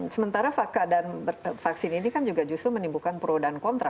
sementara fakta dan vaksin ini kan juga justru menimbulkan pro dan kontra